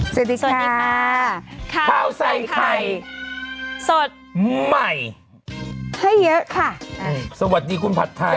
สวัสดีค่ะข้าวใส่ไข่สดใหม่ให้เยอะค่ะสวัสดีคุณผัดไทย